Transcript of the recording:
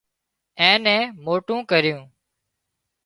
اين نين موٽون ڪريون